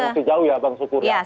kita tidak mau ke jauh ya bang sukur